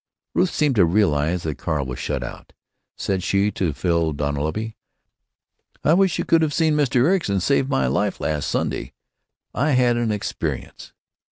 Ruth seemed to realize that Carl was shut out. Said she to Phil Dunleavy: "I wish you could have seen Mr. Ericson save my life last Sunday. I had an experience."